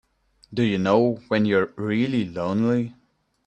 Do you know when you're really lonely?